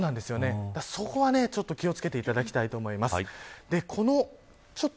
そこは気を付けていただきたいと思います。